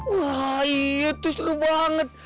wah iya terus lu banget